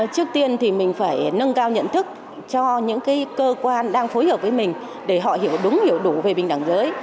trước tiên thì mình phải nâng cao nhận thức cho những cơ quan đang phối hợp với mình để họ hiểu đúng hiểu đủ về bình đẳng giới